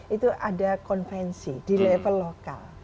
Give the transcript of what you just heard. itu ada konvensi di level lokal